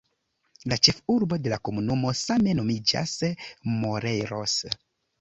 La ĉefurbo de la komunumo same nomiĝas "Morelos".